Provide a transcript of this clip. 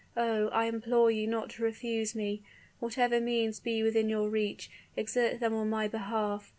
Oh! I implore you not to refuse me! Whatever means be within your reach, exert them on my behalf.